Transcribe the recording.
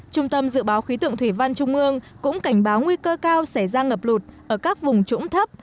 trung tâm dự báo khí tượng thủy văn trung ương cũng cảnh báo nguy cơ cao sẽ ra ngập lụt ở các vùng trũng thấp